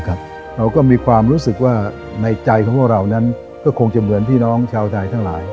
เราก็มีความรู้สึกว่าในใจของพวกเรานั้นก็คงจะเหมือนพี่น้องชาวไทยทั้งหลาย